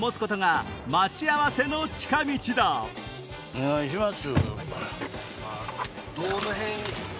お願いします。